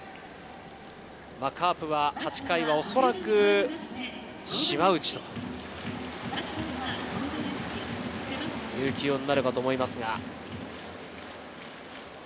カープは８回、おそらく島内という起用になるかと思います。